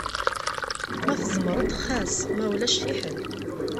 Ma tzemreḍ xas, ma ulac fḥel.